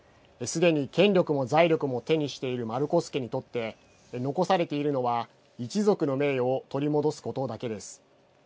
すでに、権力も財力も手にしているマルコス家にとって残されているのは一族の名誉を取り戻すことだけです。